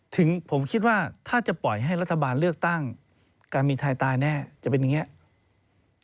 ถึงผมคิดว่าถ้าจะปล่อยให้รัฐบาลเลือกตั้งการบินไทยตายแน่จะเป็นอย่างนี้